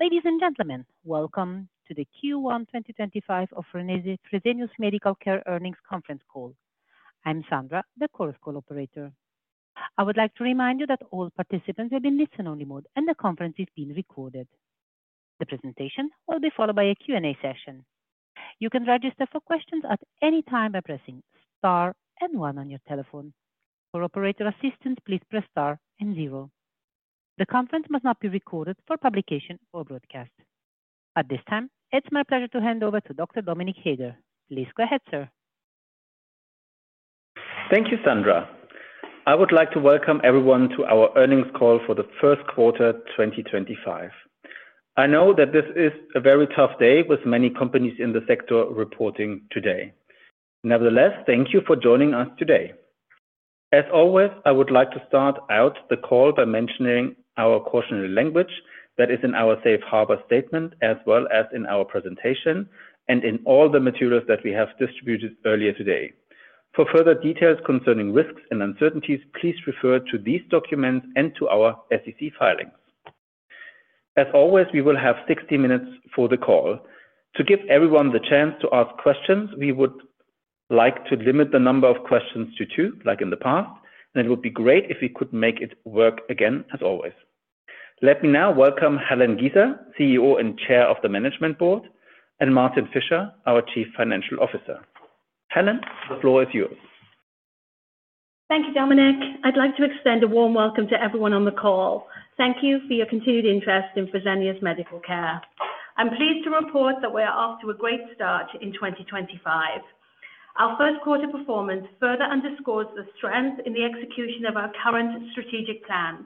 Ladies and gentlemen, welcome to the Q1 2025 Fresenius Medical Care Earnings Conference call. I'm Sandra, the conference call operator. I would like to remind you that all participants are in listen-only mode and the conference is being recorded. The presentation will be followed by a. Q&A session. You can register for questions at any time by pressing Star one on your telephone. For operator assistance, please press Star. The conference must not be recorded for publication or broadcast at this time. It's my pleasure to hand over to Dr. Dominik Heger. Please go ahead, sir. Thank you, Sandra. I would like to welcome everyone to our earnings call for the first quarter 2025. I know that this is a very tough day with many companies in the sector reporting today. Nevertheless, thank you for joining us today. As always, I would like to start out the call by mentioning our cautionary language that is in our Safe harbor statement as well as in our presentation and in all the materials that we have distributed earlier today. For further details concerning risks and uncertainties, please refer to these documents and to our SEC filings. As always, we will have 60 minutes for the call. To give everyone the chance to ask questions, we would like to limit the number of questions to two like in the past, and it would be great if we could make it work again. As always, let me now welcome Helen Giza, CEO and Chair of the Management Board, and Martin Fischer, our Chief Financial Officer. Helen, the floor is yours. Thank you, Dominik. I'd like to extend a warm welcome to everyone on the call. Thank you for your continued interest in Fresenius Medical Care. I'm pleased to report that we are off to a great start in 2025. Our first quarter performance further underscores the strength in the execution of our current strategic plan.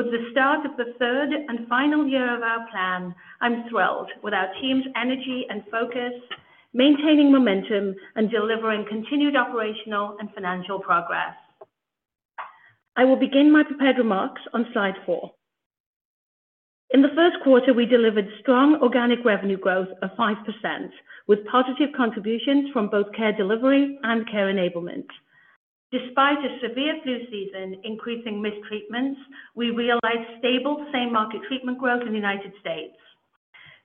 With the start of the third and final year of our plan, I'm thrilled with our team's energy and focus, maintaining momentum and delivering continued operational and financial progress. I will begin my prepared remarks on Slide 4. In the first quarter, we delivered strong organic revenue growth of 5% with positive contributions from both Care Delivery and Care Enablement. Despite a severe flu season, increasing mistreatments, we realized stable same market treatment growth in the United States.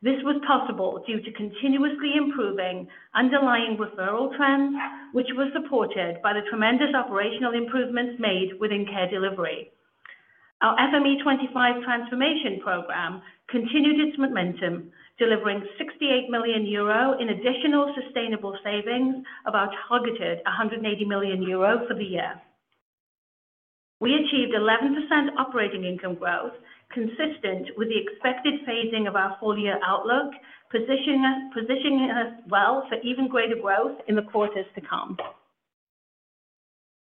This was possible due to continuously improving underlying referral trends which was supported by the tremendous operational improvements made within Care Delivery. Our FME25 transformation program continued its momentum, delivering 68 million euro in additional sustainable savings of our targeted 180 million euro. For the year, we achieved 11% operating income growth consistent with the expected phasing of our full year outlook positioning us well for even greater growth in the quarters to come.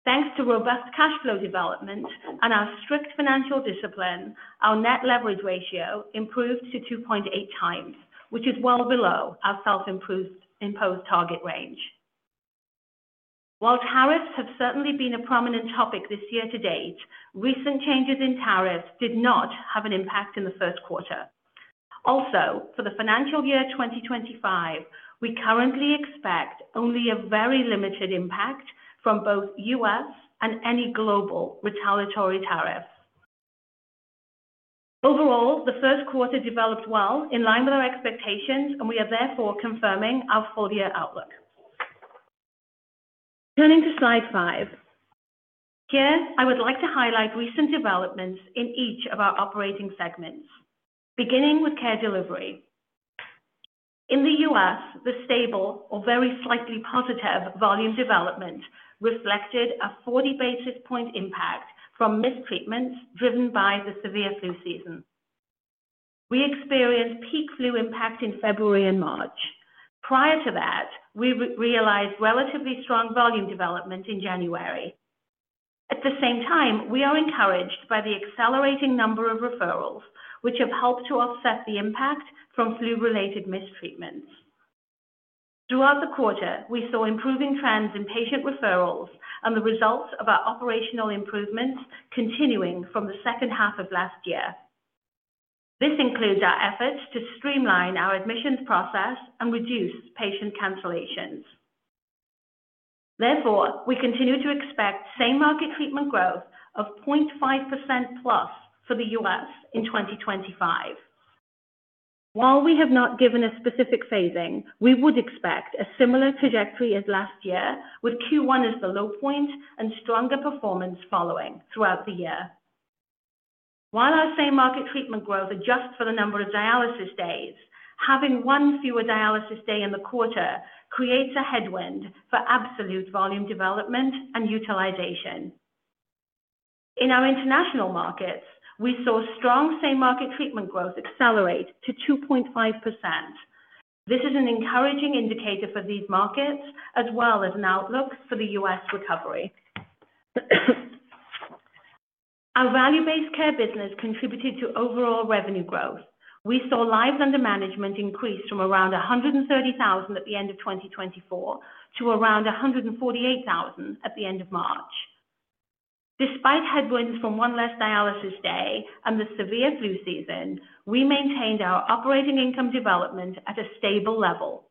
Thanks to robust cash flow development and our strict financial discipline, our net leverage ratio improved to 2.8 times which is well below our self-imposed target range. While tariffs have certainly been a prominent topic this year to date, recent changes in tariffs did not have an impact in the first quarter. Also, for the financial year 2025, we currently expect only a very limited impact from both U.S. and any global retaliatory tariffs. Overall, the first quarter developed well in line with our expectations and we are therefore confirming our full year outlook. Turning to slide five here, I would like to highlight recent developments in each of our operating segments beginning with Care Delivery. In the U.S. the stable or very slightly positive volume development reflected a 40 basis point impact from mistreatments driven by the severe flu season. We experienced peak flu impact in February and March. Prior to that we realized relatively strong volume development in January. At the same time, we are encouraged by the accelerating number of referrals which have helped to offset the impact from flu related mistreatments. Throughout the quarter we saw improving trends in patient referrals and the results of our operational improvements continuing from the second half of last year. This includes our efforts to streamline our admissions process and reduce patient cancellations. Therefore, we continue to expect same market treatment growth of 0.5%+ for the US in 2025. While we have not given a specific phasing, we would expect a similar trajectory as last year with Q1 as the low point and stronger performance following throughout the year. While our same market treatment growth adjusts for the number of dialysis days, having one fewer dialysis day in the quarter creates a headwind for absolute volume development and utilization. In our international markets we saw strong same market treatment growth accelerate to 2.5%. This is an encouraging indicator for these markets as well as an outlook for the US recovery. Our value-based care business contributed to overall revenue growth. We saw lives under management increase from around 130,000 at the end of 2024 to around 148,000 at the end of March. Despite headwinds from one less dialysis day and the severe flu season, we maintained our operating income development at a stable level.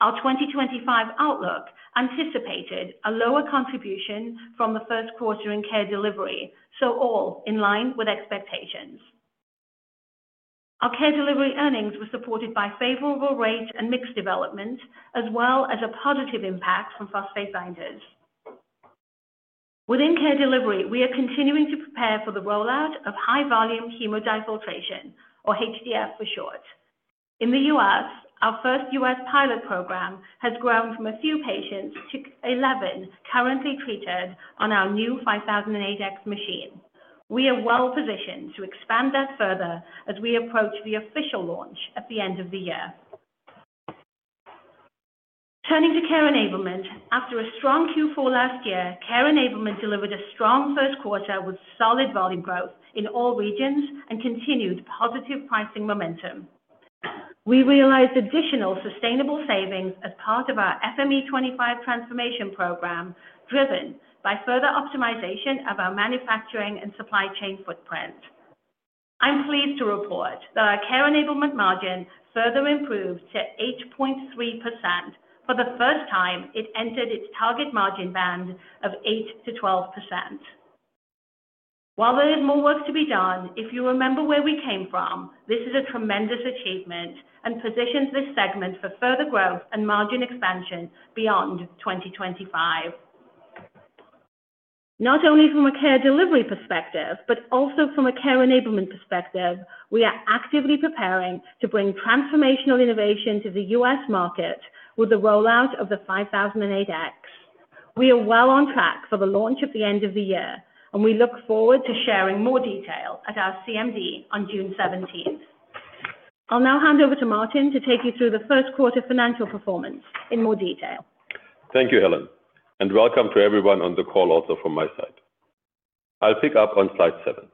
Our 2025 outlook anticipated a lower contribution from the first quarter in Care Delivery. All in line with expectations. Our. Care Delivery earnings were supported by favorable rate and mix development as well as a positive impact from phosphate binders within Care Delivery. We are continuing to prepare for the rollout of high volume hemodiafiltration or HDF for short in the U.S. Our first U.S. pilot program has grown from a few patients to 11 currently treated on our new 5008X machine. We are well positioned to expand that further as we approach the official launch at the end of the year. Turning to Care Enablement, after a strong Q4 last year, Care Enablement delivered a strong first quarter with solid volume growth in all regions and continued positive pricing momentum. We realized additional sustainable savings as part of our FME25 transformation program driven by further optimization of our manufacturing and supply chain footprint. I'm pleased to report that our Care Enablement margin further improved to 8.3% for the first time it entered its target margin band of 8-12%. While there is more work to be done, if you remember where we came from, this is a tremendous achievement and positions this segment for further growth and margin expansion beyond 2025, not only from a Care Delivery perspective, but also from a Care Enablement perspective. We are actively preparing to bring transformational innovation to the US market with the rollout of the 5008X, we are well on track for the launch at the end of the year and we look forward to sharing more detail at our CMD on June 17, 2025. I'll now hand over to Martin to take you through the first quarter financial performance in more detail. Thank you, Helen, and welcome to everyone on the call. Also from my side, I'll pick up on slide seven.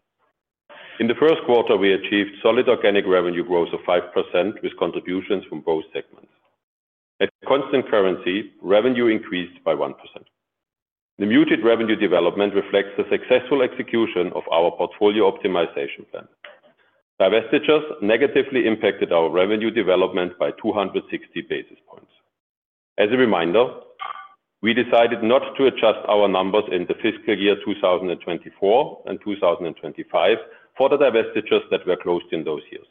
In the first quarter we achieved solid organic revenue growth of 5% with contributions from both segments. At constant currency, revenue increased by 1%. The muted revenue development reflects the successful execution of our portfolio optimization plan. Divestitures negatively impacted our revenue development by 260 basis points. As a reminder, we decided not to adjust our numbers in the fiscal year 2024 and 2025 for the divestitures that were closed in those years.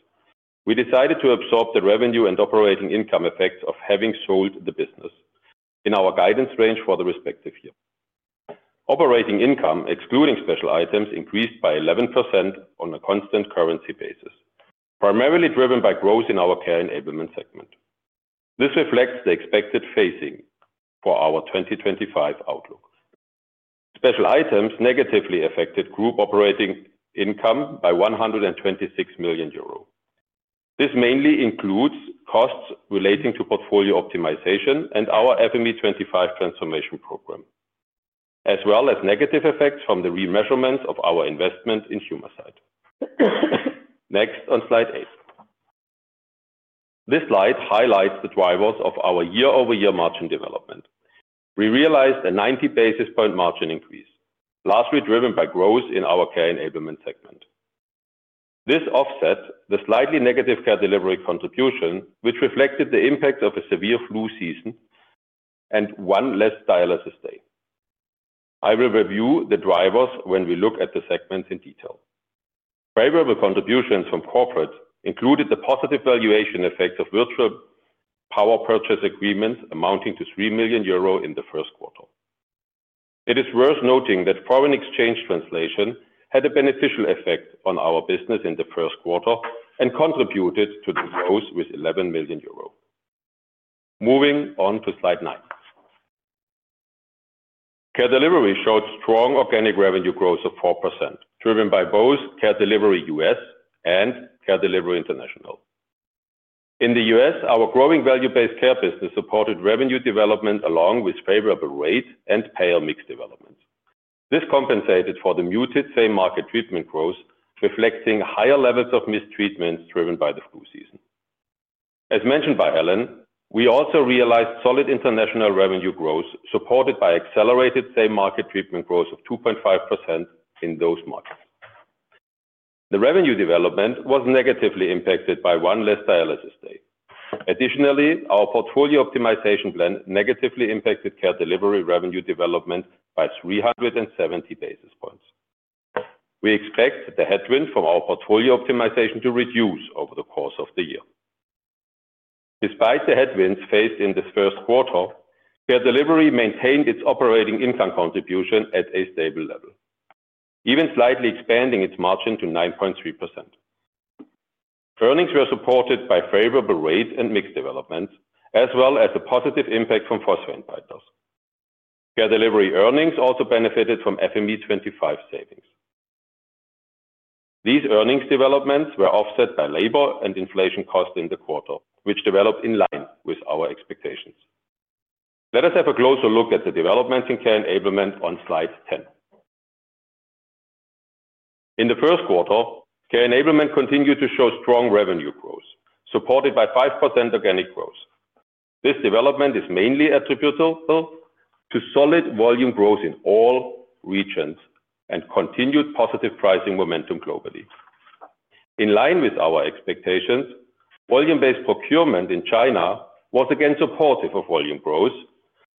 We decided to absorb the revenue and operating income effects of having sold the business in our guidance range for the respective year. Operating income excluding special items increased by 11% on a constant currency basis, primarily driven by growth in our Care Enablement segment. This reflects the expected phasing for our 2025 outlook. Special items negatively affected group operating income by 126 million euro. This mainly includes costs relating to portfolio optimization and our FME25 transformation program as well as negative effects from the remeasurements of our investment in Humacyte. Next on slide eight. This slide highlights the drivers of our year over year margin development. We realized a 90 basis point margin increase largely driven by growth in our Care Enablement segment. This offset the slightly negative Care Delivery contribution which reflected the impact of a severe flu season and one less dialysis day. I will review the drivers when we look at the segments in detail. Favorable contributions from corporate included the positive valuation effects of virtual power purchase agreements amounting to 3 million euro in the first quarter. It is worth noting that foreign exchange translation had a beneficial effect on our business in the first quarter and contributed to the growth with 11 million euro. Moving on to slide 9, Care Delivery showed strong organic revenue growth of 4% driven by both Care Delivery US and Care Delivery International. In the U.S. our growing value-based care business supported revenue development along with favorable rates and payer mix developments. This compensated for the muted same market treatment growth reflecting higher levels of mistreatments driven by the flu season. As mentioned by Alan, we also realized solid international revenue growth supported by accelerated same market treatment growth of 2.5%. In those markets, the revenue development was negatively impacted by one less dialysis day. Additionally, our portfolio optimization plan negatively impacted Care Delivery revenue development and by 370 basis points we expect the headwind from our portfolio optimization to reduce over the. Course of the year. Despite the headwinds faced in this first quarter, Care Delivery maintained its operating income contribution at a stable level, even slightly expanding its margin to 9.3%. Earnings were supported by favorable rate and mix developments as well as a positive impact from phosphate binders. Care Delivery earnings also benefited from FME25 savings. These earnings developments were offset by labor and inflation costs in the quarter, which developed in line with our expectations. Let us have a closer look at the developments in Care Enablement on Slide 10. In the first quarter, Care Enablement continued to show strong revenue growth supported by 5% organic growth. This development is mainly attributable to solid volume growth in all regions and continued positive pricing momentum. Globally, in line with our expectations, volume-based procurement in China was again supportive of volume growth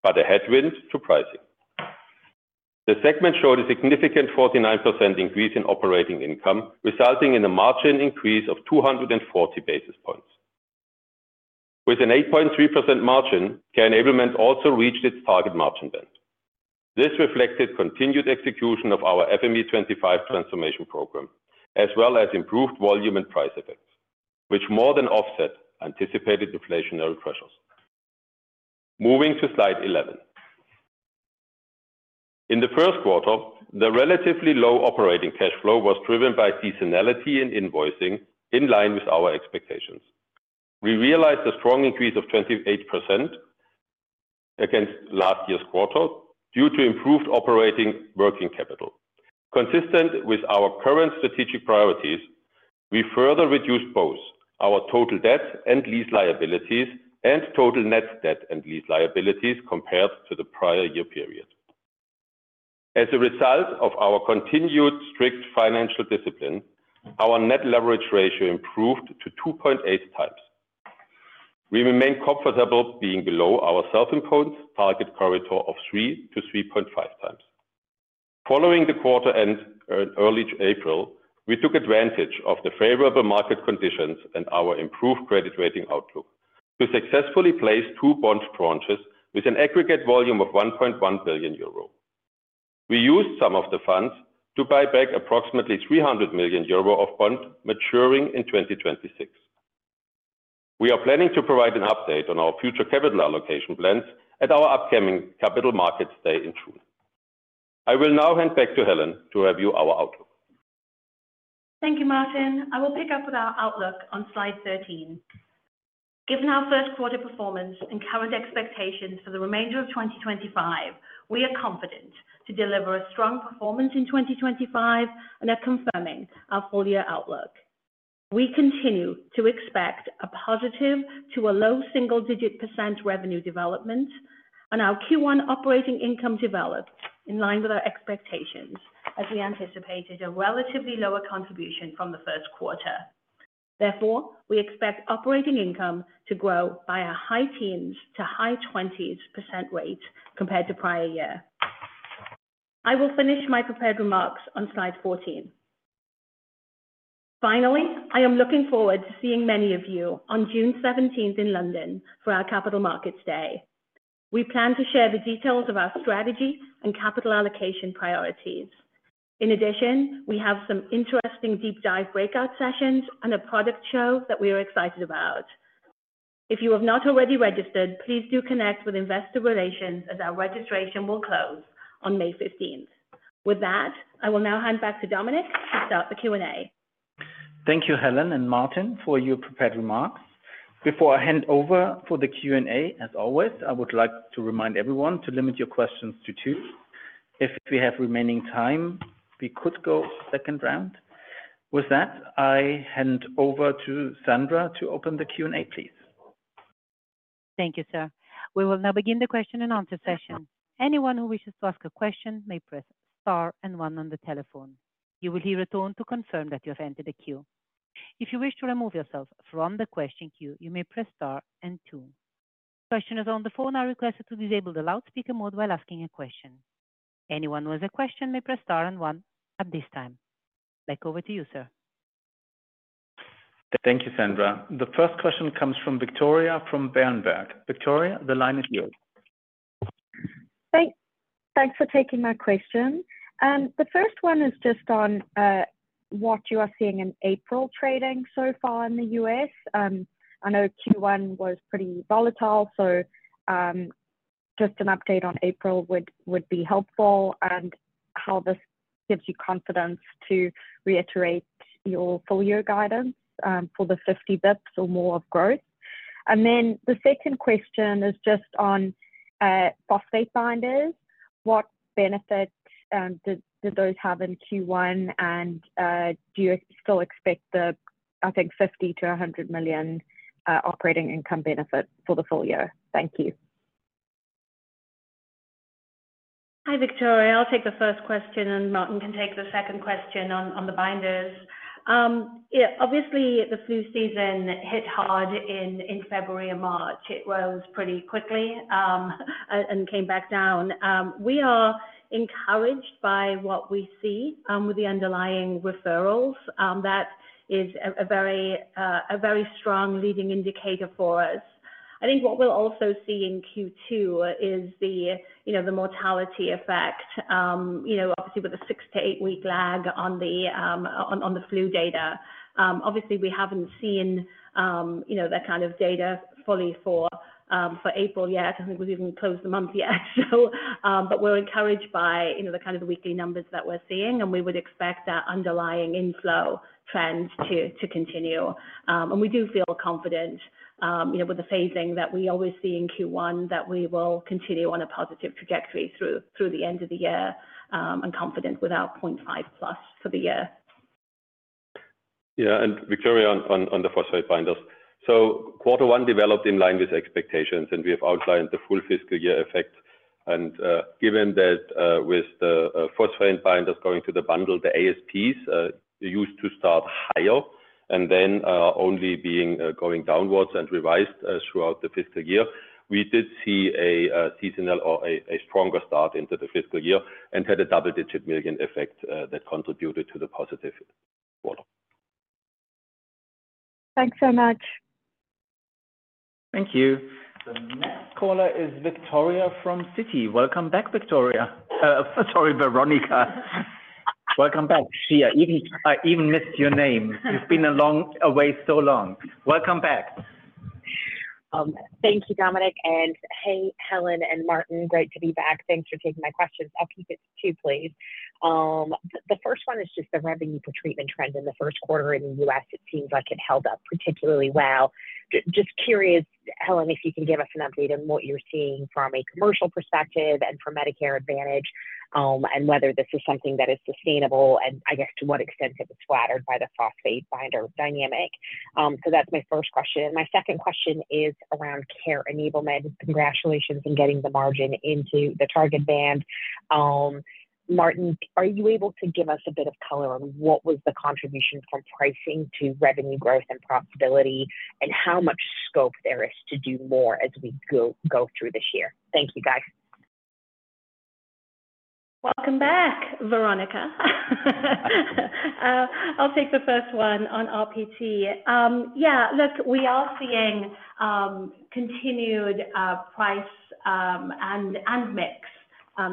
but a headwind to pricing. The segment showed a significant 49% increase in operating income resulting in a margin increase of 240 basis points with an 8.3% margin. Care Enablement also reached its target margin band. This reflected continued execution of our FME25 transformation program as well as improved volume and price effects which more than offset anticipated deflationary pressures. Moving to Slide 11 in the first quarter, the relatively low operating cash flow was driven by seasonality in invoicing. In line with our expectations, we realized a strong increase of 28% against last year's quarter due to improved operating working capital consistent with our current strategic priorities. We further reduced both our total debt and lease liabilities and total net debt and lease liabilities compared to the prior year period. As a result of our continued strict financial discipline, our net leverage ratio improved to 2.8 times. We remain comfortable being below our self-imposed target corridor of 3-3.5 times. Following the quarter end in early April, we took advantage of the favorable market conditions and our improved credit rating outlook to successfully place two bond tranches with an aggregate volume of 1.1 billion euro. We used some of the funds to buy back approximately 300 million euro of bond maturing in 2026. We are planning to provide an update on our future capital allocation plans at our upcoming Capital Markets Day in June. I will now hand back to Helen to review our outlook. Thank you Martin. I will pick up with our outlook on Slide 13. Given our first quarter performance and current expectations for the remainder of 2025, we are confident to deliver a strong performance in 2025 and are confirming our full year outlook. We continue to expect a positive to a low single digit % revenue development and our Q1 operating income developed in line with our expectations as we anticipated a relatively lower contribution from the first quarter. Therefore, we expect operating income to grow by a high teens-high 20s % rate compared to prior year. I will finish my prepared remarks on Slide 14. Finally, I am looking forward to seeing many of you on June 17th in London for our Capital Markets Day. We plan to share the details of our strategy and capital allocation priorities. In addition, we have some interesting Deep Dive breakout sessions and a product show that we are excited about. If you have not already registered, please do connect with Investor Relations as our registration will close on May 15. With that, I will now hand back to Dominic to start the Q&A. Thank you, Helen and Martin, for your prepared remarks. Before I hand over for the Q&A, as always, I would like to remind everyone to limit your questions to two. If we have remaining time, we could go a second round. With that, I hand over to Sandra to open the Q&A, please. Thank you, sir. We will now begin the question and answer session. Anyone who wishes to ask a question may press star and one. On the telephone, you will hear a tone to confirm that you have entered the queue. If you wish to remove yourself from the question queue, you may press star and two. Questioners on the phone are requested to disable the loudspeaker mode while asking a question. Anyone who has a question may press. Star and one at this time back. Over to you, sir. Thank you, Sandra. The first question comes from Victoria, from Berenberg. Victoria, the line is yours. Thanks for taking my question. The first one is just on what you are seeing in April trading so far in the US. I know Q1 was pretty volatile, so just an update. On April would be helpful. How this gives you confidence to reiterate your full year guidance for the 50 basis points or more of growth. The second question is just on phosphate binders. What benefits did those have in Q1 and do you still expect the I think $50 million-$100 million operating income benefit for the full year? Thank you. Hi Victoria. I'll take the first question and Martin can take the second question on the binders. Obviously the flu season hit hard in February and March. It rose pretty quickly and came back down. We are encouraged by what we see with the underlying referrals. That is a very strong leading indicator for us. I think what we'll also see in Q2 is the mortality effect obviously with a six to eight week lag on the flu data. Obviously we haven't seen that kind of data fully for April yet. I think we have not even closed the month yet. We are encouraged by the kind of the weekly numbers that we are seeing and we would expect that underlying inflow trend to continue and we do feel confident with the phasing that we always see in Q1 that we will continue on a positive trajectory through the end of the year and confident with our 0.5% plus US for the year. Yeah. Victoria, on the phosphate binders, quarter one developed in line with expectations and we have outlined the full fiscal year effect. Given that with the phosphate binders going to the bundle, the ASPs used to start higher and then only being going downwards and revised throughout the fiscal year, we did see a seasonal or a stronger start into the fiscal year and had a double-digit million effect that contributed to the positive. Thanks so much. Thank you. The next caller is Victoria from Citi. Welcome back, Victoria. Sorry, Veronika, welcome back. I even missed your name. You've been away so long. Welcome back. Thank you, Dominic, and hey Helen and Martin, great to be back. Thanks for taking my questions. I'll keep it to two, please. The first one is just the revenue for treatment trend in the first quarter in the U.S. It seems like it held up particularly well. Just curious, Helen, if you can give us an update on what you're seeing from a commercial perspective and for Medicare Advantage and whether this is something that is sustainable, and I guess to what extent if it's flattered by the phosphate binder dynamic. That is my first question. My second question is around Care Enablement. Congratulations on getting the margin into the target band. Martin, are you able to give us a bit of color on what was the contribution from pricing to revenue growth and profitability and how much scope there is to do more as we go through this year. Thank you guys. Welcome back. Veronika, I'll take the first one on RPT. Yeah, look, we are seeing continued prices and mix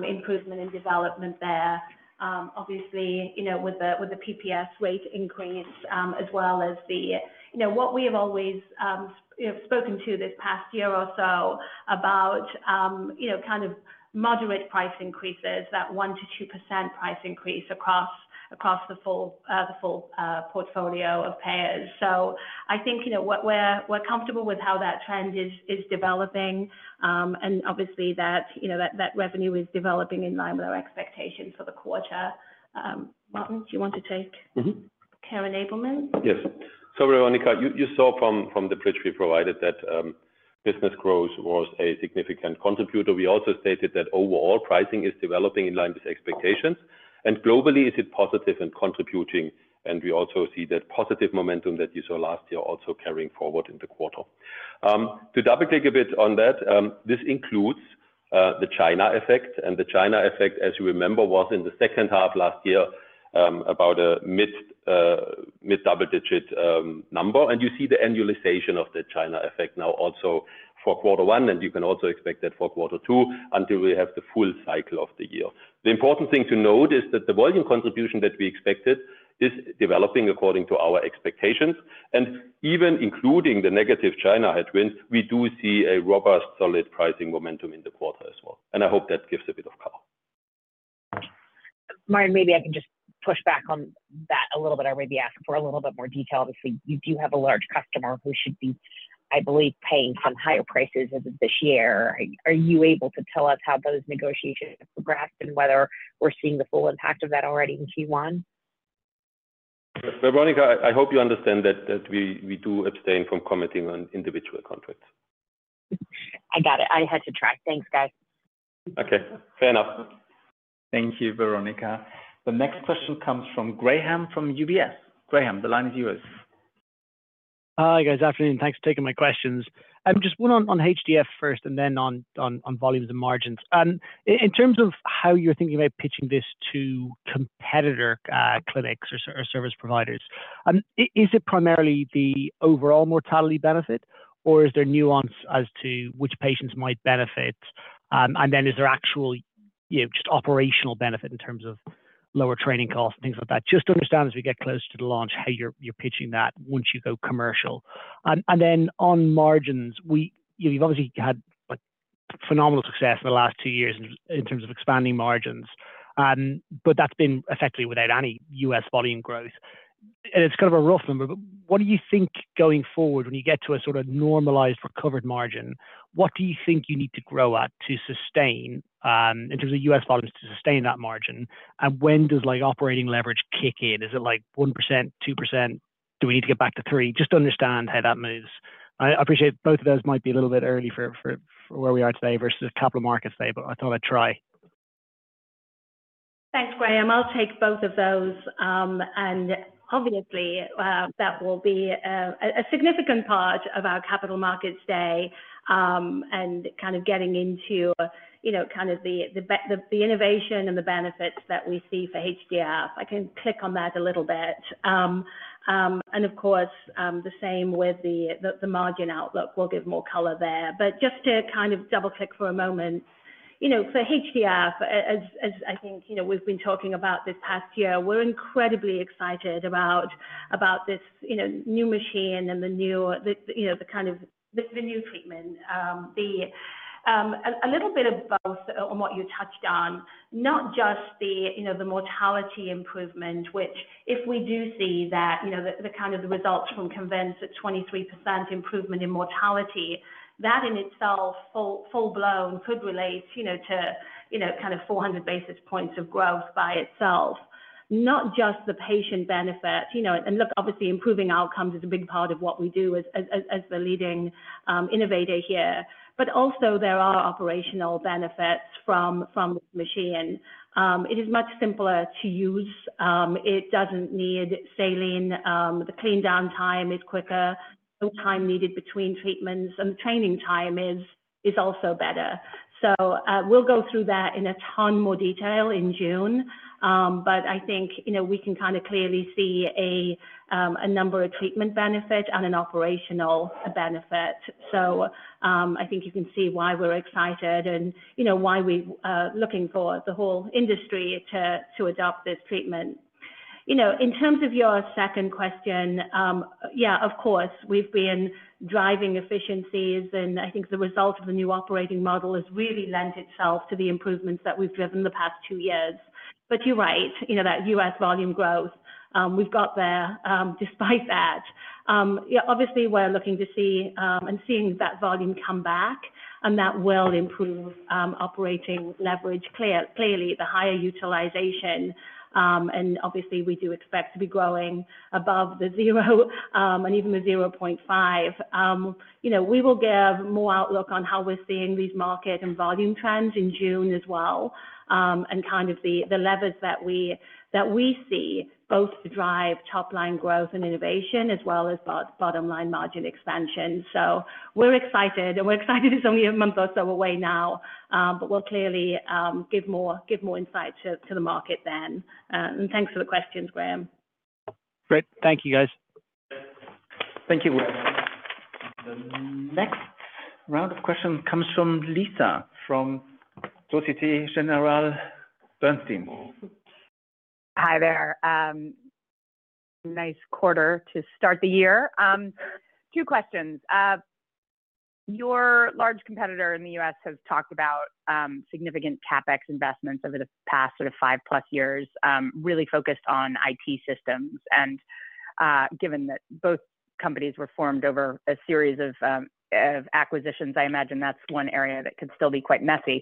improvement in development there, obviously with the PPS rate increase as well as what we have always spoken to this past year or so about kind of moderate price increases. That 1-2% price increase across the full portfolio of payers. I think we're comfortable with how that trend is developing and obviously that, you know, that revenue is developing in line with our expectations for the quarter. Martin, do you want to take Care Enablement? Yes. Veronika, you saw from the bridge we provided that business growth was a significant contributor. We also stated that overall pricing is developing in line with expectations and globally it is positive and contributing. We also see that positive momentum that you saw last year also carrying forward in the quarter. To double click a bit on that. This includes the China effect. The China effect, as you remember, was in the second half last year about a mid double digit number. You see the annualization of the China effect now also for quarter one and you can also expect that for quarter two until we have the full cycle of the year. The important thing to note is that the volume contribution that we expected is developing according to our expectations. Even including the negative China headwinds, we do see a robust solid pricing momentum in the quarter as well. I hope that gives a bit of color. Martin, maybe I can just push back on that a little bit or maybe ask for a little bit more detail. Obviously you do have a large customer who should be I believe paying some higher prices this year. Are you able to tell us how those negotiations have progressed and whether we're seeing the full impact of that already in Q1? Veronika, I hope you understand that we do abstain from committing on individual contracts. I got it. I had to try. Thanks guys. Okay, fair enough. Thank you. Veronika, the next question comes from Graham from UBS. Graham, the line is yours. Hi guys. Afternoon. Thanks for taking my questions. Just one on HDF first and then on volumes and margins. In terms of how you're thinking about pitching this to competitor clinics or service providers is it primarily the overall mortality benefit or is there nuance as to which patients might benefit? Is there actual just operational benefit in terms of lower training costs, things like that? Just understand as we get closer to the launch how you're pitching that once you go commercial and then on margins, you've obviously had phenomenal success in the last two years in terms of expanding. Margins, but that's been effectively without any. US volume growth and it's a rough number. What do you think going forward when you get to a normalized recovered margin, what do you think you need to grow at to sustain in terms of US volumes to sustain that margin? When does operating leverage kick in? Is it 1%, 2%? Do we need to get back to 3%? Just understand how that moves. I appreciate both of those. Might be a little bit early for. Where we are today versus a couple of markets today, but I thought I'd try. Thanks, Graham. I'll take both of those and obviously that will be a significant part of our capital markets day and kind of getting into, you know, kind of the innovation and the benefits that we see for HDF. I can click on that a little bit. Of course, the same with the margin outlook, we'll give more color there. Just to kind of double click for a moment, you know, for HDF, as I think we've been talking about this past year, we're incredibly excited about this new machine and the new kind of the new treatment. A little bit of both on what you touched on, not just the mortality improvement which if we do see that the kind of the results from CONVINCE at 23% improvement in mortality, that in itself full blown could relate to kind of 400 basis points of growth by itself, not just the patient benefit. Look, obviously improving outcomes is a big part of what we do as the leading innovator here. Also there are operational benefits from machine. It is much simpler to use, it does not need saline, the clean down time is quicker, the time needed between treatments and the training time is also better. We will go through that in a ton more detail in June. I think we can kind of clearly see a number of treatment benefits and an operational benefit. I think you can see why we're excited and why we're looking for the whole industry to adopt this treatment. In terms of your second question, yeah, of course we've been driving efficiencies and I think the result of the new operating model has really lent itself to the improvements that we've driven the past two years. You're right, you know that US volume growth we've got there despite that, obviously we're looking to see and seeing that volume come back and that will improve operating leverage. Clearly the higher utilization and obviously we do expect to be growing above the 0 and even the 0.5. We will give more outlook on how we're seeing these market and volume trends in June as well and kind of the levers that we see both to drive top line growth and innovation as well as bottom line margin expansion. We're excited and we're excited. It's only a month or so away now, but we'll clearly give more insight to the market then. Thanks for the questions, Graham. Great. Thank you guys. Thank you. Next round of questions comes from Lisa from Societe Generale Bernstein. Hi there. Nice quarter to start the year. Two questions. Your large competitor in the U.S. has talked about significant CapEx investments over the past sort of five plus years, really focused on IT systems. Given that both companies were formed over a series of acquisitions, I imagine that's one area that could still be quite messy.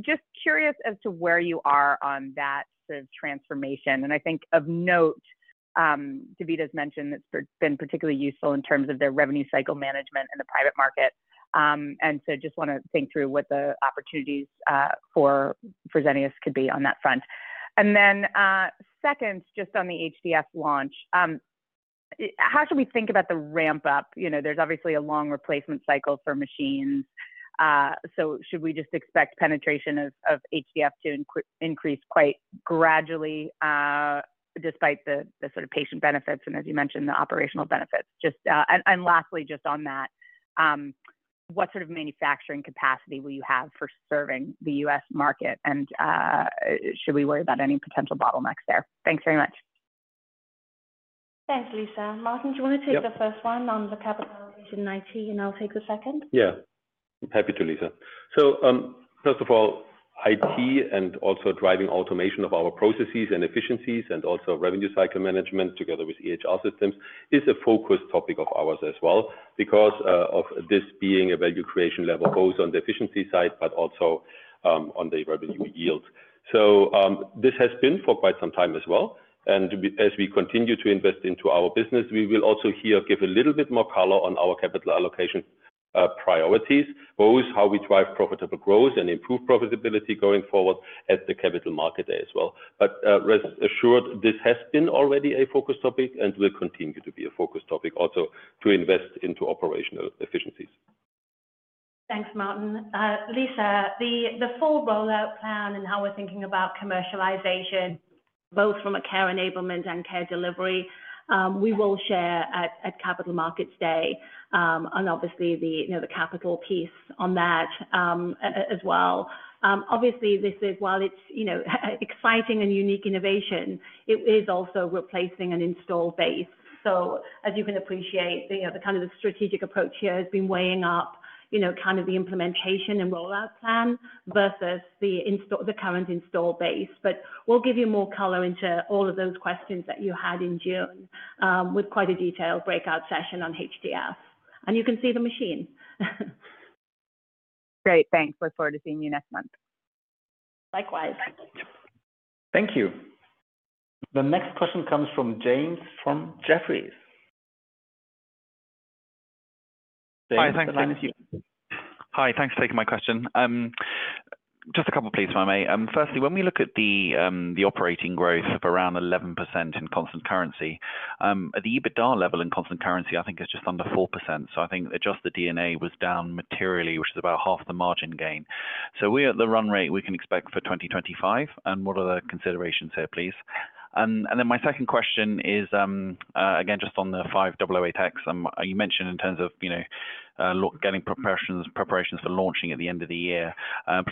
Just curious as to where you are on that sort of transformation. I think of note, DaVita's mentioned it's been particularly useful in terms of their revenue cycle management in the private market. I just want to think through what the opportunities are for Fresenius could be on that front. Second, just on the HDF launch, how should we think about the ramp up? You know, there's obviously a long replacement cycle for machines, so should we just expect penetration of HDF to increase quite gradually despite the sort of patient benefits and as you mentioned, the operational benefits. Lastly, just on that, what sort of manufacturing capacity will you have for serving the US market and should we worry about any potential bottlenecks there? Thanks very much. Thanks, Lisa. Martin, do you want to take the first one on the capitalization IT and I'll take the second. Yeah, happy to, Lisa. First of all, IT and also driving automation of our processes and efficiencies and also revenue cycle management together with EHR systems is a focused topic of ours as well because of this being a value creation level both on the efficiency side but also on the revenue yield. This has been for quite some time as well. As we continue to invest into our business, we will also here give a little bit more color on our capital allocation priorities, both how we drive profitable growth and improve profitability going forward at the capital market day as well. Rest assured this has been already a focus topic and will continue to be a focus topic also to invest into operational efficiencies. Thanks, Martin. Lisa. The full rollout plan and how we're thinking about commercialization both from a Care Enablement and Care Delivery, we will share at Capital Markets Day and obviously the capital piece on that as well. This is, while it's exciting and unique innovation, it is also replacing an install base. As you can appreciate, the kind of strategic approach here has been weighing up the implementation and rollout plan versus the current install base. We will give you more color into all of those questions that you had in June with quite a detailed breakout session on HDF and you can see the machine. Great, thanks. Look forward to seeing you next month. Likewise. Thank you. The next question comes from James from Jefferies. Hi, thanks for taking my question. Just a couple, please. Firstly, when we look at the operating growth of around 11% in constant currency, the EBITDA level in constant currency, I think it's just under 4%. I think adjusted DNA was down materially, which is about half the margin gain. Are we at the run rate we can expect for 2024, and what are the considerations here, please? My second question is again just on the 5008X you mentioned in terms of, you know, getting preparations for launching at the end of the year.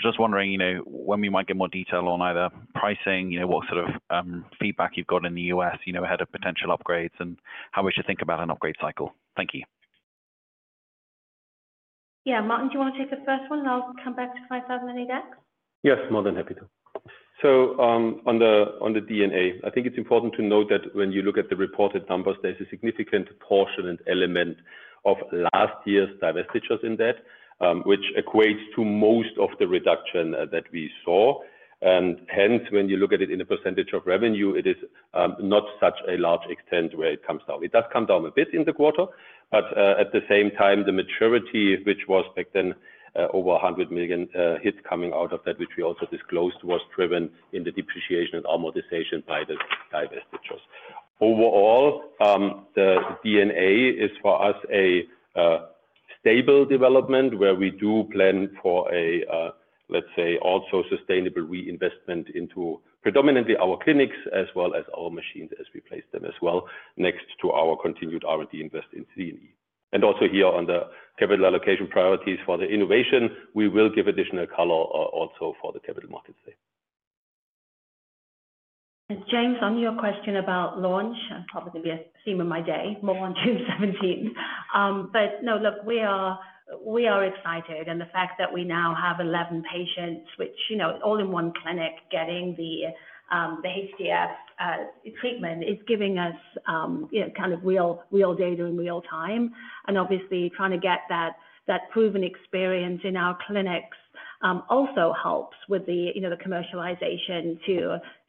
Just wondering, you know, when we might get more detail on either pricing, you know, what sort of feedback you've got in the U.S., you know, ahead of potential upgrades and how we should think about an upgrade cycle. Thank you. Yeah, Martin, do you want to take the first one? I'll come back to 5008X. Yes, more than happy to. On the DNA, I think it's important to note that when you look at the reported numbers, there's a significant portion and element of last year's divestitures in that which equates to most of the reduction that we saw. Hence, when you look at it in a percentage of revenue, it is not such a large extent where it comes down. It does come down a bit in the quarter, but at the same time the maturity, which was back then over 100 million, hits coming out of that, which we also disclosed, was driven in the depreciation and amortization by the divestitures. Overall, the DNA is for us a stable development where we do plan for a, let's say also sustainable reinvestment into predominantly our clinics as well as our machines as we place them as well next to our continued R&D invest in C&E and also here on the capital allocation priorities for the innovation we will give additional color also for the capital markets day. James, on your question about launch, probably a theme of my day more on June 17. No, look, we are excited and the fact that we now have 11 patients, which you know, all in one clinic getting the HDF treatment, is giving us kind of real, real data in real time and obviously trying to get that proven experience in our clinics also helps with the, you know, the commercialization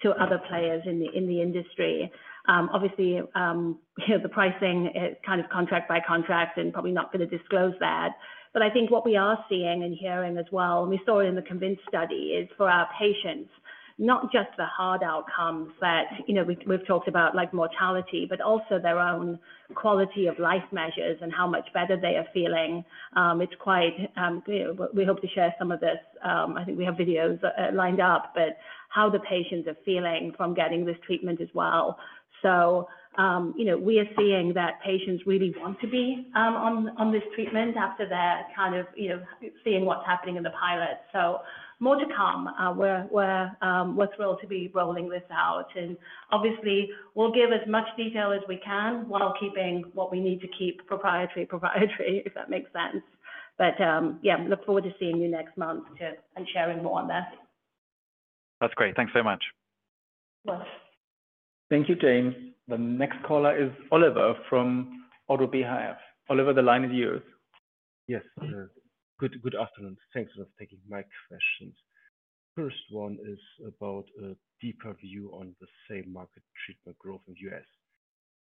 to other players in the industry. Obviously, the pricing is kind of contract by contract and probably not going to disclose that. I think what we are seeing and hearing as well, and we saw it in the CONVINCE study, is for our patients not just the hard outcomes that, you know, we've talked about like mortality, but also their own quality of life measures and how much better they are feeling. We hope to share some of this. I think we have videos lined up about how the patients are feeling from getting this treatment as well. You know, we are seeing that patients really want to be on this treatment after they have seen what is happening in the pilot. More to come. We are thrilled to be rolling this out and obviously we will give as much detail as we can while keeping what we need to keep proprietary proprietary, if that makes sense. Yeah, look forward to seeing you next month and sharing more on that. That's great. Thanks very much. Thank you, James. The next caller is Oliver from ODDO BHF. Oliver, the line is yours. Yes, good afternoon. Thanks for taking my questions. First one is about a deeper view on the same market treatment growth in US.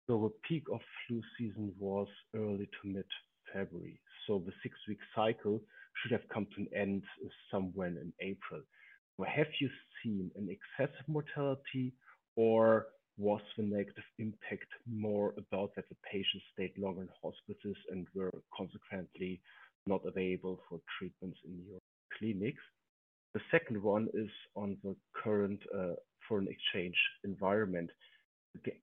The peak of flu season was early to mid February. So the six week cycle should have come to an end somewhere in April. Have you seen an excessive mortality or was the negative impact more about that patients stayed longer in hospices and were consequently not available for treatments in your clinics. The second one is on the current foreign exchange environment.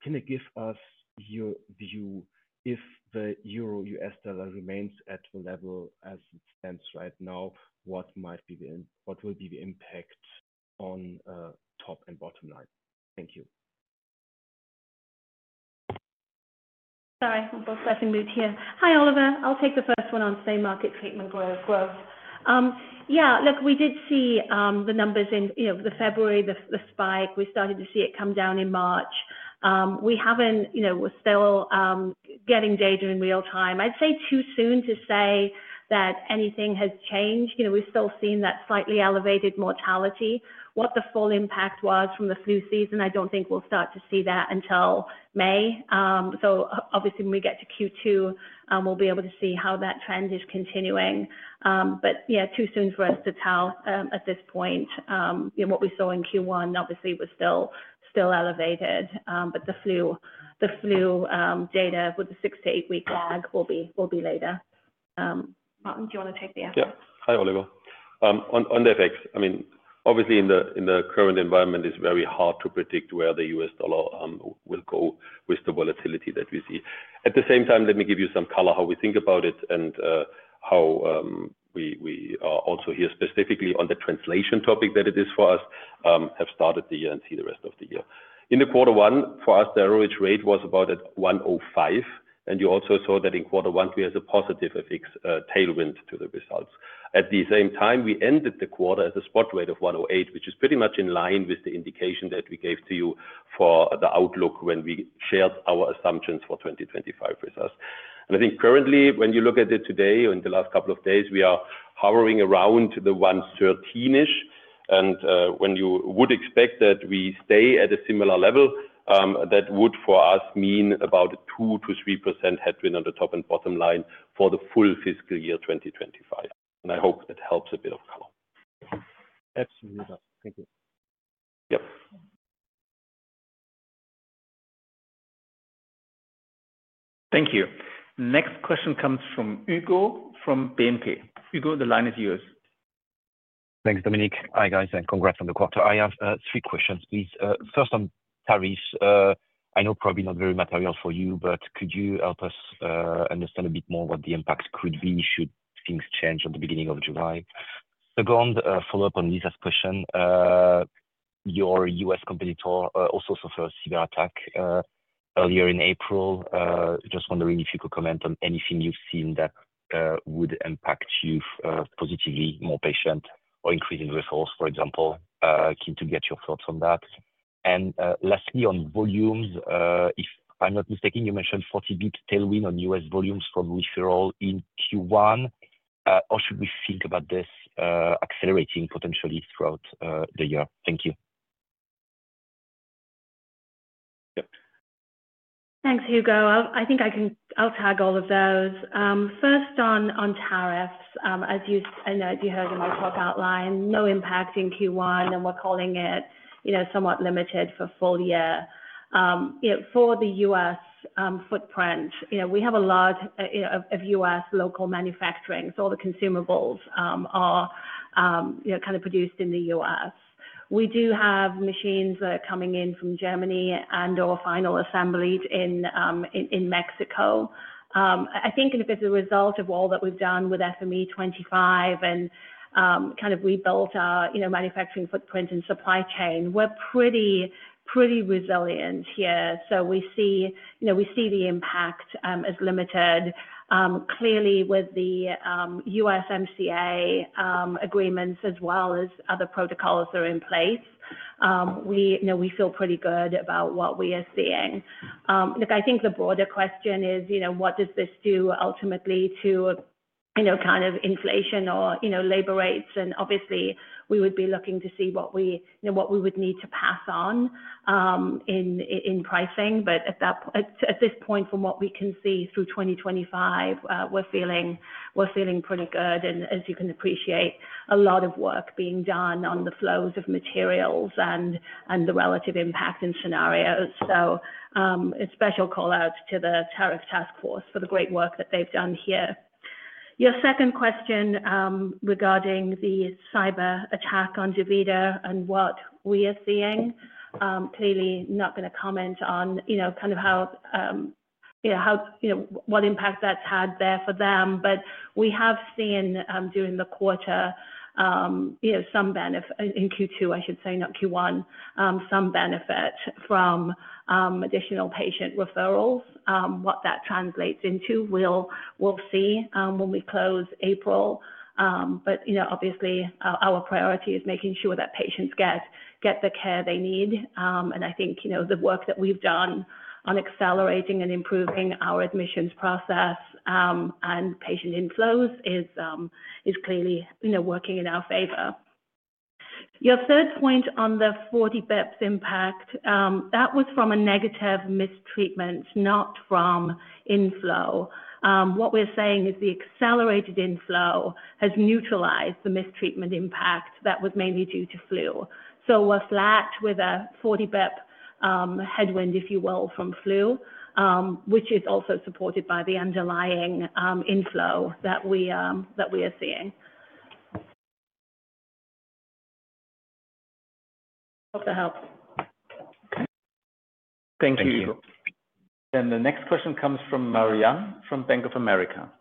Can you give us your view? If the EUR US dollar remains at the level as it stands right now, what might be the, what will be the impact on top and bottom line. Thank you. Sorry, I'm here. Hi Oliver, I'll take the first one on same market treatment growth. Yeah, look we did see the numbers in February, the spike. We started to see it come down in March. We're still getting data in real time. I'd say too soon to say that anything has changed. We've still seen that slightly elevated mortality. What the full impact was from the flu season, I don't think we'll start to see that until May. Obviously, when we get to Q2 we'll be able to see how that trend is continuing. Yeah, too soon for us to tell at this point. What we saw in Q1 was still elevated, but the flu data with the six-eight week lag will be later. Martin, do you want to take the effort? Yeah. Hi Oliver. On the FX, I mean obviously in the current environment it's very hard to predict where the US dollar will go with the volatility that we see at the same time. Let me give you some color how we think about it and how we are also here specifically on the translation topic that it is for us have started the year and see the rest of the year in the quarter one. For us the EUR/USD rate was about at 1.05 and you also saw that in quarter one we had a positive effect tailwind to the results. At the same time we ended the quarter at a spot rate of 1.08, which is pretty much in line with the indication that we gave to you for the outlook when we shared our assumptions for 2025 with us. I think currently when you look at it today, in the last couple of days, we are hovering around the 113ish and when you would expect that we stay at a similar level, that would for us mean about 2%-3% headwind on the top and bottom line for the full fiscal year 2025. I hope that helps a bit of color. Absolutely. Thank you. Yep, thank you. Next question comes from Hugo from BNP Paribas. Hugo, the line is yours. Thanks, Dominik. Hi guys and congrats on the quarter. I have three questions, please. First, on tariff. I know probably not very material for you, but could you help us understand a bit more what the impact could be should things change at the beginning of July? Second, follow up on Lisa's question. Your U.S. competitor also suffered a severe attack earlier in April. Just wondering if you could comment on anything you've seen that would impact you positively. More patient or increasing results, for example. Keen to get your thoughts on that. And lastly on volumes, if I'm not mistaken, you mentioned 40 big tailwind on U.S. volumes from referral in Q1. Or should we think about this accelerating potentially throughout the year. Thank you. Thanks, Hugo. I think I can. I'll tag all of those. First on tariffs, as you heard in my talk outline, no impact in Q1 and we're calling it somewhat limited for full year for the U.S. footprint. We have a lot of U.S. local manufacturing, so all the consumables are produced in the U.S. We do have machines that are coming in from Germany and or final assemblies in Mexico. I think as a result of all that we've done with FME25 and kind of rebuilt our manufacturing footprint and supply chain, we're pretty, pretty resilient here. We see, you know, we see the impact as limited, clearly, with the USMCA agreements as well as other protocols that are in place. We know we feel pretty good about what we are seeing. Look, I think the broader question is, you know, what does this do ultimately to kind of inflation or labor rates? Obviously we would be looking to see what we would need to pass on in pricing, but at this point, from what we can see through 2025, we're feeling pretty good. As you can appreciate, a lot of work being done on the flows of materials and the relative impact in scenarios. A special call out to the Tariff Task Force for the great work that they've done here. Your second question regarding the cyber attack on DaVita and what we are seeing. Clearly not going to comment on, you know, kind of how, you know, how, you know, what impact that's had there for them, but we have seen during the quarter some benefit in Q2, I should say, not Q1, some benefit for. From additional patient referrals. What that translates into, we'll see when we close April. Our priority is making sure that patients get the care they need. I think the work that we've done on accelerating and improving our admissions process and patient inflows is clearly working in our favor. Your third point on the 40 basis points impact, that was from a negative mistreatment, not from inflow. What we're saying is the accelerated inflow has neutralized the mistreatment impact that was mainly due to flu. We are flat with a 40 basis points headwind, if you will, from flu, which is also supported by the underlying inflow that we are seeing. Hope that helps. Thank you. The next question comes from Marianne from BofA Securities.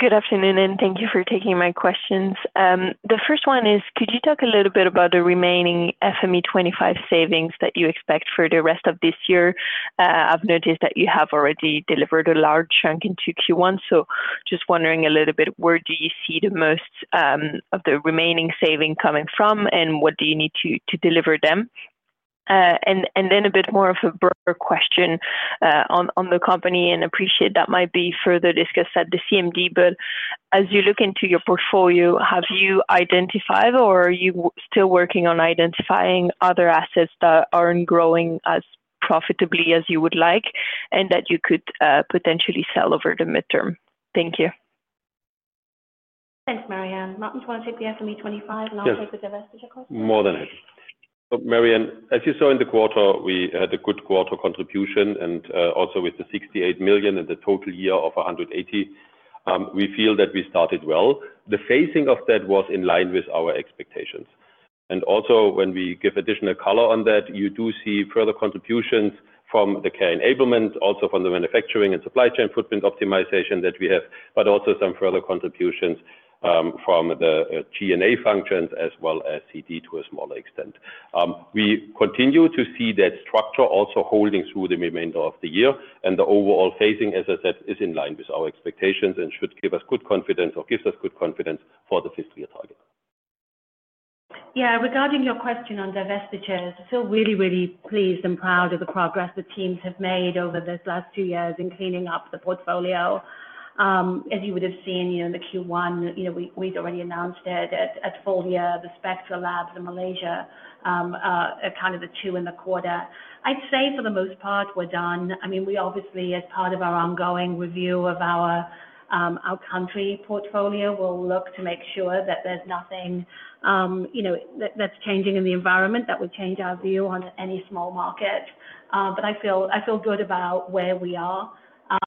Good afternoon and thank you for taking my questions. The first one is, could you talk a little bit about the remaining FME25 savings that you expect for the rest of this year? I've noticed that you have already delivered a large chunk into Q1, so just wondering a little bit, where do you see the most of the remaining saving coming from and what do you need to deliver them? A bit more of a broader question on the company, and appreciate that might be further discussed at the CMD. As you look into your portfolio, have you identified or are you still working on identifying other assets that aren't growing as profitably as you would like and that you could potentially sell over the midterm? Thank you. Thanks, Marianne. Martin, do you want to take the FME25 and I'll take the divestiture cost more than it. Marianne, as you saw in the quarter, we had a good quarter contribution and also with the 68 million and the total year of 180 million, we feel that we started well. The phasing of that was in line with our expectations. Also, when we give additional color on that, you do see further contributions from the Care Enablement, also from the manufacturing and supply chain footprint optimization that we have, but also some further contributions from the G&A functions as well as Care Delivery to a smaller extent. We continue to see that structure also holding through the remainder of the year. The overall phasing, as I said, is in line with our expectations and should give us good confidence or gives us good confidence for the fiscal year target. Yeah. Regarding your question on divestitures, really, really pleased and proud of the progress the teams have made over this last year in cleaning up the portfolio. As you would have seen in the Q1, you know, we had already announced it at full year. The Spectra Labs in Malaysia, kind of the two in the quarter. I would say for the most part we are done. I mean, we obviously, as part of our ongoing review of our country portfolio, will look to make sure that there is nothing, you know, that is changing in the environment that would change our view on it. Any small market. I feel good about where we are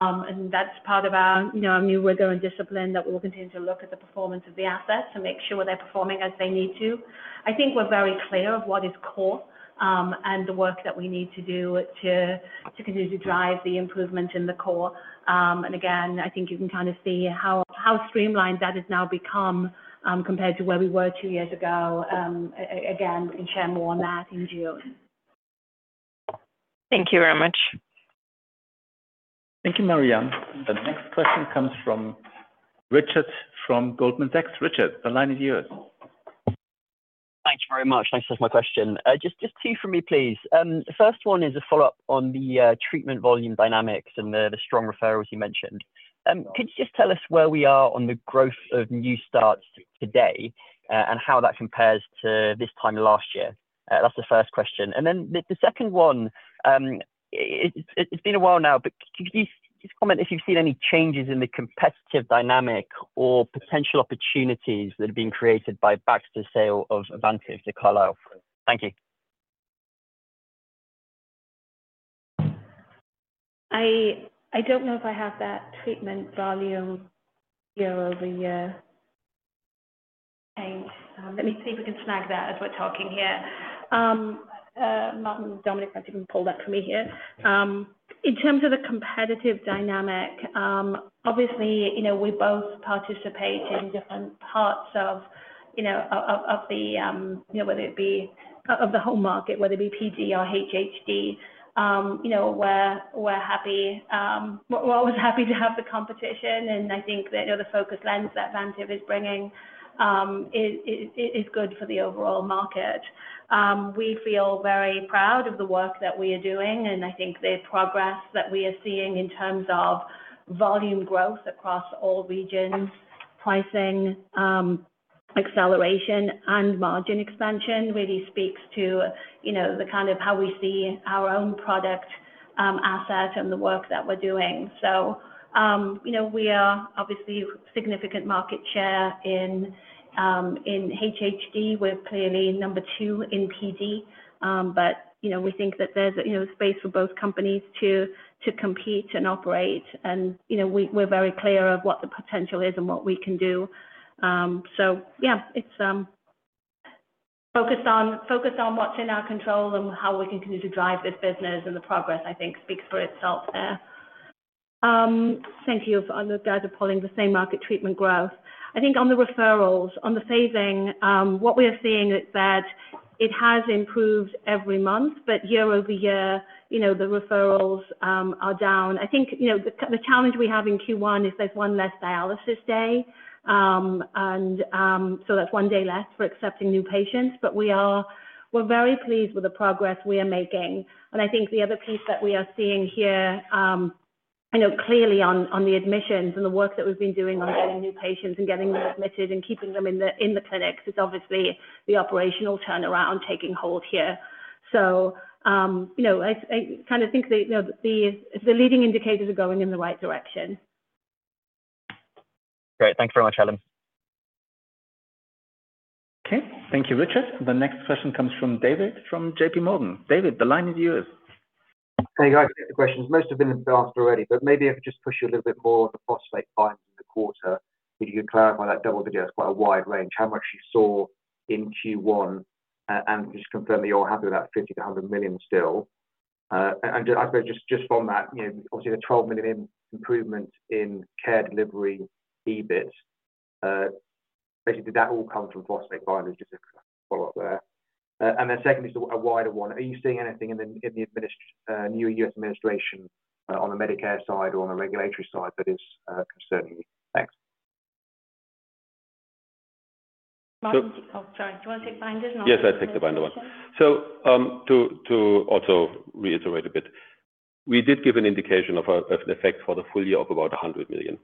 and that is part of our new rigor and discipline that we will continue to look at the performance of the assets to make sure they are performing as they need to. I think we're very clear of what is core and the work that we need to do to continue to drive the improvement in the core. I think you can kind of see how streamlined that has now become compared to where we were two years ago. We can share more on that in June. Thank you very much. Thank you, Marianne. The next question comes from Richard from Goldman Sachs. Richard, the line is yours. Thank you very much. Thanks for my question. Just two for me, please. The first one is a follow up on the treatment volume dynamics and the strong referrals you mentioned. Could you just tell us where we are on the growth of new starts today and how that compares to this time last year? That's the first question. The second one, it's been a while now, but could you just comment if you've seen any changes in the competitive dynamic or potential opportunities that have been created by Baxter sale of Vantive to Carlyle? Thank you. I don't know if I have that treatment volume year over year. Let me see if we can snag that as we're talking here. Dominic, if you can pull that for me here. In terms of the competitive dynamic, obviously, you know, we both participate in different parts of, you know, of the whole market, whether it be PD or HHD, you know, where we're happy, we're always happy to have the competition. I think that the focus lens that Vantive is bringing is good for the overall market. We feel very proud of the work that we are doing. I think the progress that we are seeing in terms of volume growth across all regions, pricing acceleration and margin expansion really speaks to, you know, the kind of how we see our own product asset and the work that we're doing. You know, we are obviously significant market share in HHD. We're clearly number two in PD. You know, we think that there's space for both companies to compete and operate. You know, we're very clear of what the potential is and what we can do. Yeah, it's focus on what's in our control and how we can continue to drive this business. The progress, I think, speaks for itself there. Thank you for the guys are polling the same market treatment growth. I think on the referrals, on the phasing, what we are seeing is that it has improved every month, but year over year, the referrals are down. I think the challenge we have in Q1 is there's one less dialysis day, and so that's one day left for accepting new patients. We are very pleased with the progress we are making. I think the other piece that we are seeing here, I know clearly on the admissions and the work that we've been doing on getting new patients and getting them admitted and keeping them in the clinics is obviously the operational turnaround taking hold here. You know, I kind of think that the leading indicators are going in the right direction. Great. Thank you very much, Helen. Okay, thank you, Richard. The next question comes from David, from JPMorgan. David, the line is yours. Hey, guys. Most have been asked already, but maybe I could just push you a little bit more on the phosphate binders in the quarter. If you could clarify that. Double digit is quite a wide range, how much you saw in Q1 and just confirm that you're happy with that. 50 million-100 million still. I suppose just from that, obviously the 12 million improvement in Care Delivery EBIT, basically did that all come from phosphate binders? Just a follow up there and then secondly a wider one. Are you seeing anything in the new U.S. administration on the Medicare side or on the regulatory side that is concerning you? Thanks. Oh, sorry, do you want to take binders? Yes, I'd take the binder one. To also reiterate a bit, we did give an indication of an effect for the full year of about 100 million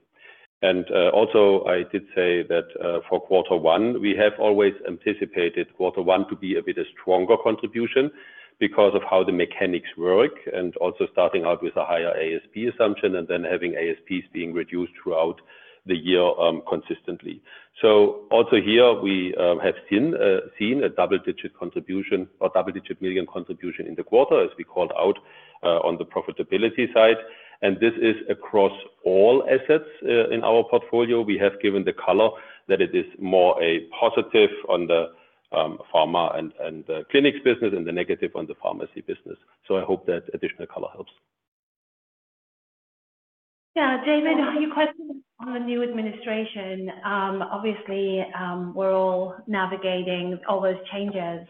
and also I did say that for quarter one we have always anticipated quarter one to be a bit stronger contribution because of how the mechanics work and also starting out with a higher ASP assumption and then having ASPs being reduced throughout the year consistently. Here we have seen a double-digit contribution or double-digit median contribution in the quarter as we called out on the profitability side. This is across all assets in our portfolio. We have given the color that it is more a positive on the pharma and clinics business and a negative on the pharmacy business. I hope that additional color helps. Yeah. David, your question on the new administration, obviously we're all navigating all those changes.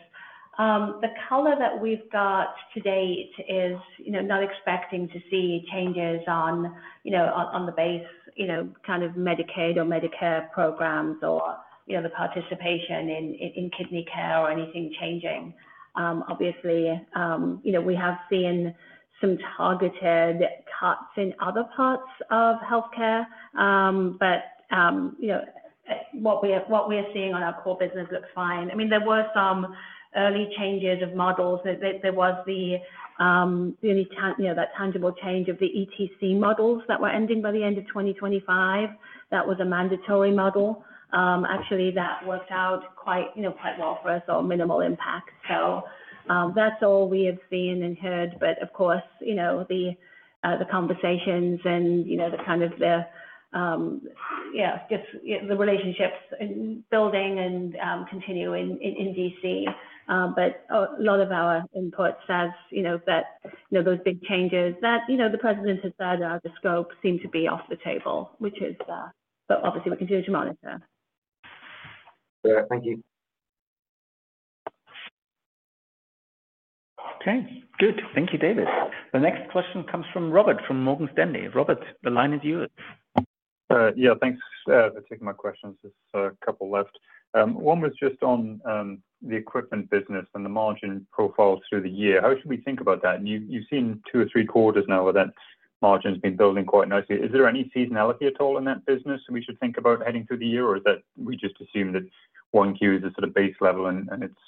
The color that we've got to date is, you know, not expecting to see changes on, you know, on the base, you know, kind of Medicaid or Medicare programs or, you know, the participation in kidney care or anything changing. Obviously, you know, we have seen some targeted cuts in other parts of healthcare, but, you know, what we are seeing on our core business looks fine. I mean there were some early changes of models. There was the only that tangible change of the ETC models that were ending by the end of 2025. That was a mandatory model actually that worked out quite well for us on minimal impact. That's all we have seen and heard. Of course the conversations and the kind of the. Yeah, just the relationships building and continue in D.C., but a lot of our input says, you know, that, you know, those big changes that, you know, the President has said are the scope seem to be off the table, which is. Obviously, we continue to monitor. Thank you. Okay, good. Thank you. David. The next question comes from Robert from Morgan Stanley. Robert, the line is yours. Yeah, thanks for taking my questions. There's a couple left. One was just on the Equipment business and the margin profile through the year. How should we think about that? You've seen two or three quarters now where that margin has been building quite nicely. Is there any seasonality at all in that business? We should think about heading through the year or is that we just assume that 1Q is a sort of base level and it's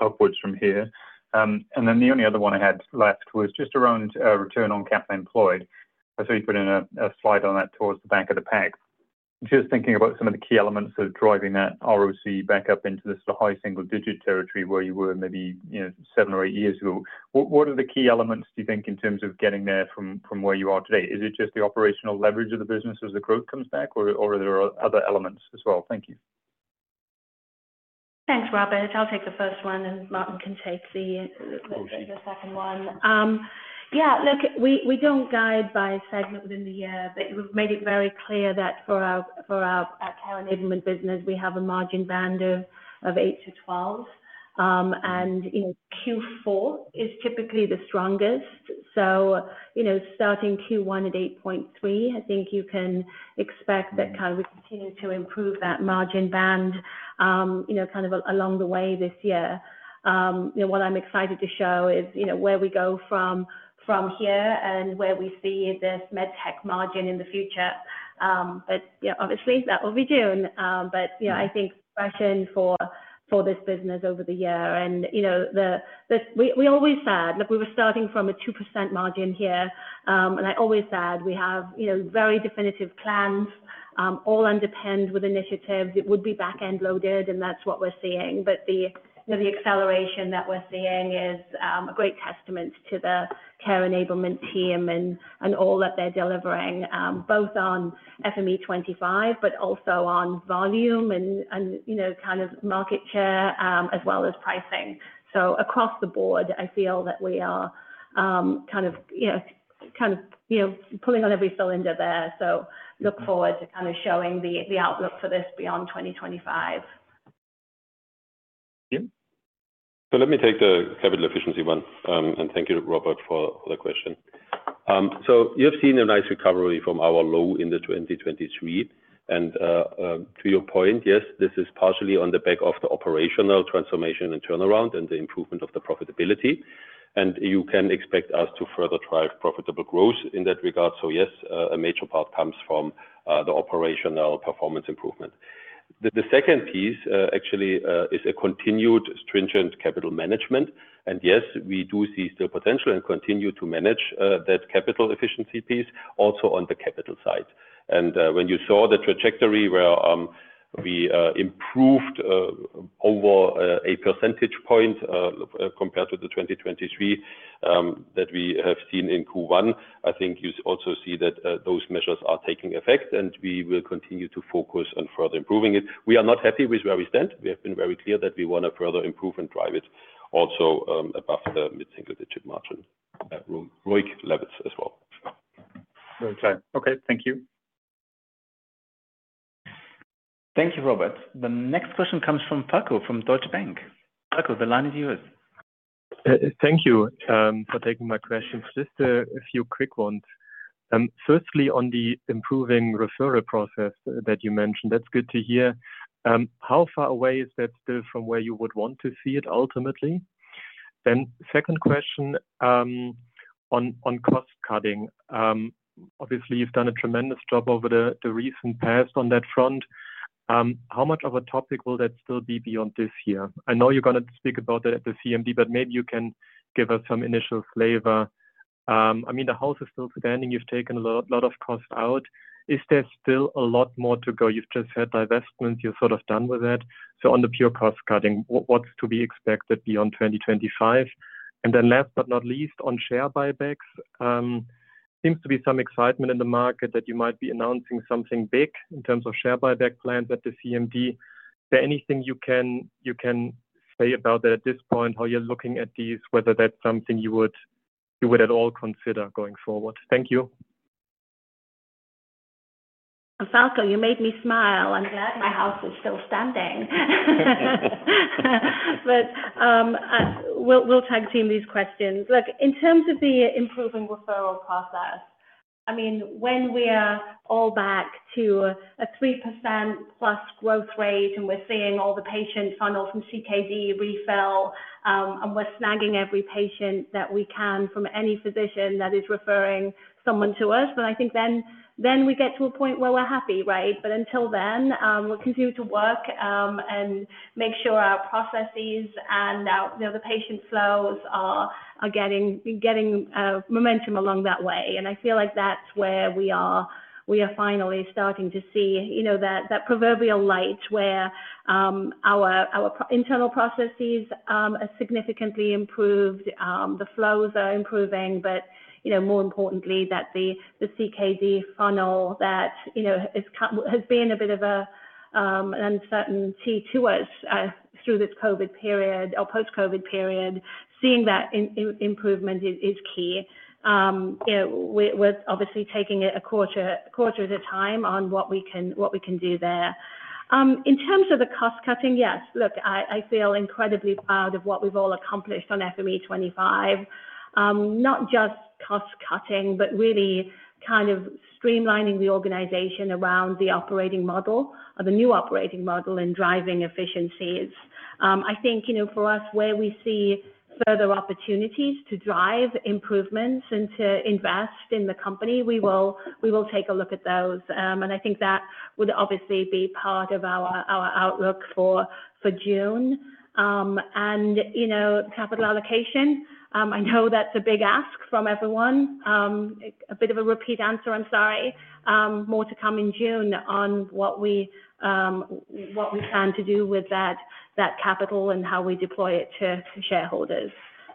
upwards from here and then the only other one I had left was just around return on capital employed. I saw you put in a slide on that towards the back of the pack. Just thinking about some of the key elements of driving that ROIC back up into this high single digit territory where you were maybe seven or eight years ago. What are the key elements do you think, in terms of getting there from where you are today? Is it just the operational leverage of the business as the growth comes back or are there other elements as well? Thank you. Thanks Robert. I'll take the first one and Martin can take the second one. Yeah, look, we don't guide by segment within the year but we've made it very clear that for our Care Enablement business we have a margin band of 8-12 and Q4 is typically the strongest. Starting Q1 at 8.3 I think you can expect that we continue to improve that margin band along the way this year. What I'm excited to show is where we go from here and where we see this med tech margin in the future. Yeah, obviously that will be June but I think passion for this business over the year and we always said look we were starting from a 2% margin here and I always said we have very definitive plans all underpinned with initiatives. It would be back end loaded and that's what we're seeing. The acceleration that we're seeing is a great testament to the Care Enablement team and all that they're delivering both on FME25 but also on volume and kind of market share as well as pricing. Across the board I feel that we are kind of pulling on every cylinder there. I look forward to kind of showing the outlook for this beyond 2025. Let me take the capital efficiency one and thank you, Robert, for the question. You have seen a nice recovery from our low in 2023 and to your point, yes, this is partially on the back of the operational transformation and turnaround and the improvement of the profitability and you can expect us to further drive profitable growth in that regard. Yes, a major part comes from the operational performance improvement. The second piece actually is a continued stringent capital management and yes, we do see still potential and continue to manage that capital efficiency piece. Also on the capital side, when you saw the trajectory where we improved over a percentage point compared to 2023 that we have seen in Q1, I think you also see that those measures are taking effect and we will continue to focus on further improving it. We are not happy with where we stand. We have been very clear that we want to further improve and drive it also above the mid single digit margin. ROIC levels as well. Very clear. Okay, thank you. Thank you, Robert. The next question comes from Perko from Deutsche Bank. Perko, the line is yours. Thank you for taking my questions. Just a few quick ones. Firstly, on the improving referral process that. You mentioned, that's good to hear. How far away is that still from where you would want to see it ultimately? Second question on cost cutting, obviously you've done a tremendous job over the recent past on that front. How much of a topic will that still be beyond this year? I know you're going to speak about that at the CMD, but maybe you can give us some initial flavor. I mean the house is still standing. You've taken a lot of cost out. Is there still a lot more to go? You've just had divestments, you're sort of done with that. On the pure cost cutting, what's to be expected beyond 2025? Last but not least on share buybacks, seems to be some excitement in the market that you might be announcing something big in terms of share buyback plans at the CMD. Anything you can say about that at this point, how you're looking at these, whether that's something you would at all consider going forward. Thank you. Falko, you made me smile. I'm glad my house is still standing. We'll tag team these questions. Look, in terms of the improving referral process, I mean, when we are all back to a 3%+ growth rate and we're seeing all the patient funnel from CMD refill and we're snagging every patient that we can from any physician that is referring someone to us, I think then we get to a point where we're happy, right? Until then, we'll continue to work and make sure our processes and the patient flows are getting momentum along that way. I feel like that's where we are finally starting to see that proverbial light where our internal processes are significantly improved, the flows are improving, but more importantly that the CMD funnel that has been a bit of an uncertainty to us through this Covid period or post Covid period. Seeing that improvement is key. We're obviously taking it a quarter at a time on what we can do there in terms of the cost cutting. Yes. Look, I feel incredibly proud of what we've all accomplished on FME25. Not just cost cutting, but really kind of streamlining the organization around the operating model, the new operating model and driving efficiencies. I think, you know, for us, where we see further opportunities to drive improvements and to invest in the company, we will take a look at those and I think that would obviously be part of our outlook for June and capital allocation. I know that's a big ask from everyone. A bit of a repeat answer. I'm sorry. More to come in June on what we plan to do with that capital and how we deploy it to shareholders.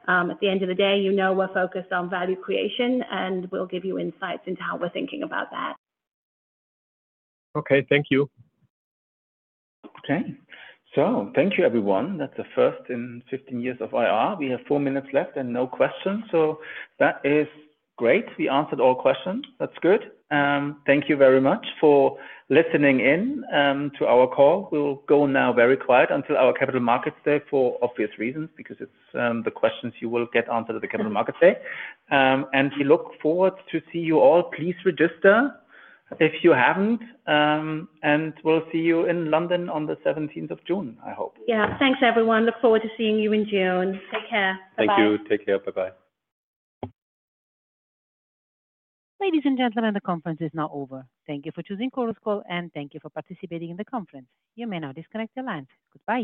At the end of the day, you know, we're focused on value creation and we'll give you insights into how thinking about that. Okay, thank you. Okay, so thank you, everyone. That is the first in 15 years of IR. We have four minutes left and no questions. That is great. We answered all questions. That is good. Thank you very much for listening in to our call. We will go now, very quiet until our capital markets day for obvious reasons, because it is the questions you will get answered at the capital markets day and we look forward to see you all. Please register if you have not and we will see you in London on the 17th of June, I hope. Yeah. Thanks, everyone. Look forward to seeing you in June. Take care. Thank you. Take care. Bye. Bye. Ladies and gentlemen, the conference is now over. Thank you for choosing Chorus Call and thank you for participating in the conference. You may now disconnect your lines.